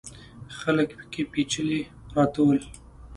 خلک پکې پېچلي پراته ول.